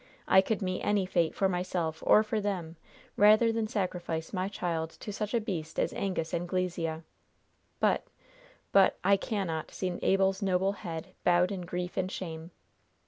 I could meet any fate for myself, or for them, rather than sacrifice my child to such a beast as Angus Anglesea! But but I cannot see Abel's noble head bowed in grief and shame!